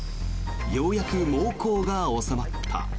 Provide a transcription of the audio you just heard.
ようやく猛攻が収まった。